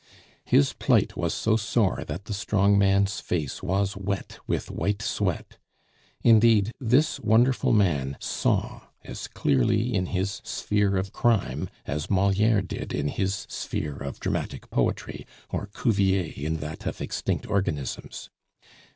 His plight was so sore that the strong man's face was wet with white sweat. Indeed, this wonderful man saw as clearly in his sphere of crime as Moliere did in his sphere of dramatic poetry, or Cuvier in that of extinct organisms.